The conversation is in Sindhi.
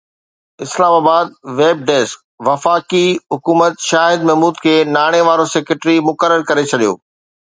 اسلام آباد (ويب ڊيسڪ) وفاقي حڪومت شاهد محمود کي ناڻي وارو سيڪريٽري مقرر ڪري ڇڏيو